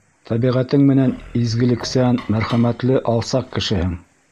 Тәбиғәтең менән изгелексән, Мәрхәмәтле, алсаҡ кешеһең.